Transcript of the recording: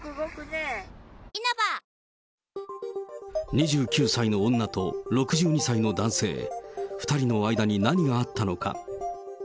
２９歳の女と６２歳の男性、２人の間に何があったのか。